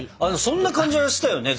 そんな感じはしたよね！